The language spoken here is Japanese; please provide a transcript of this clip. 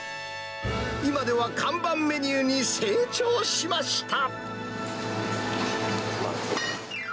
今では看板メニューに成長しましうまい。